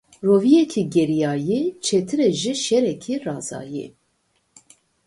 Roviyekî geriyayî, çêtir e ji şêrekî razayî.